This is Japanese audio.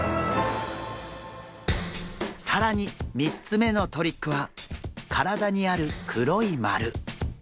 更に３つ目のトリックは体にある黒いまる。